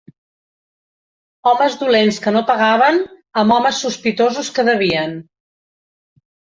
Homes dolents que no pagaven, amb homes sospitosos que devien